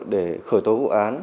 để khởi tố vụ án